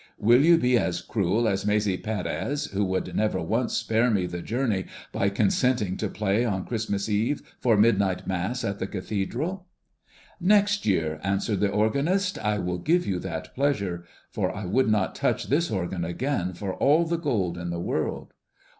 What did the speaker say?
Will you be as cruel as Maese Pérez, who would never once spare me the journey by consenting to play on Christmas Eve for midnight Mass at the Cathedral?" "Next year," answered the organist, "I will give you that pleasure, for I would not touch this organ again for all the gold in the world."